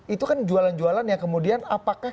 itu kan jualan jualan yang kemudian apakah